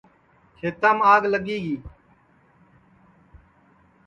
کھیتام آگ لگی گی